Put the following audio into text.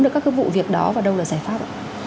được các cái vụ việc đó và đâu là giải pháp ạ